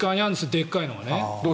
でっかいのがね。